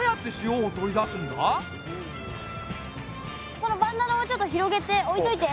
そのバンダナをちょっと広げて置いといて。